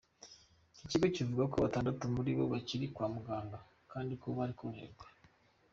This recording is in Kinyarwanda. Iki kigo kivuga ko batandatu muribo bakiri kwa muganga kandi ko bari koroherwa.